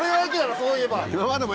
そういえば。